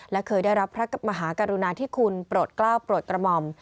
และเคยได้รับพระมหากรุณาธิคุณโปรดกล้าวโปรดกระหม่อม